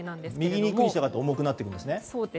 右に行くにしたがって重くなっていくんですね。